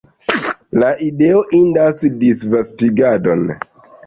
La ideo indas disvastigadon!